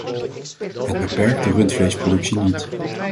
Het beperkt de rundvleesproductie niet.